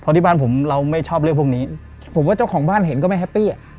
เพราะที่บ้านผมเราไม่ชอบเรื่องพวกนี้ผมว่าเจ้าของบ้านเห็นก็ไม่แฮปปี้อ่ะ